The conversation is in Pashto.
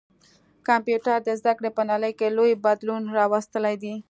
کمپيوټر د زده کړي په نړۍ کي لوی بدلون راوستلی دی.